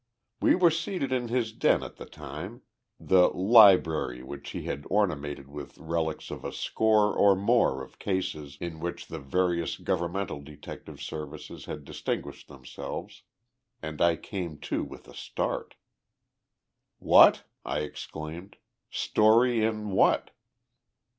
We were seated in his den at the time the "library" which he had ornamented with relics of a score or more of cases in which the various governmental detective services had distinguished themselves and I came to with a start. "What?" I exclaimed. "Story in what?"